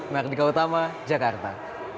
merdeka utama jakarta